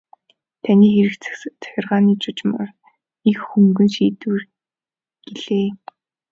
Таны хэрэг захиргааны журмаар их хөнгөн шийдэгдэнэ гэлээ.